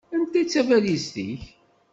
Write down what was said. Anta i d tabalizt-ik?